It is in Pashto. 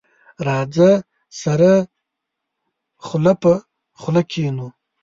راځه، سره خله په خله کېنو.